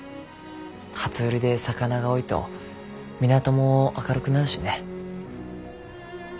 初売りで魚が多いと港も明るくなるしね。